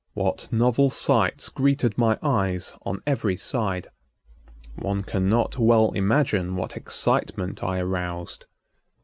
What novel sights greeted my eyes on every side! One cannot well imagine what excitement I aroused.